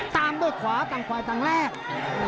ตามด้วยขวาต่างฝ่ายต่างแรก